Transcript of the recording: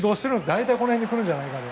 大体この辺に来るんじゃないかと。